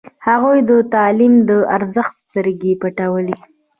هغوی د تعلیم د ارزښت سترګې پټولې.